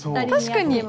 確かに。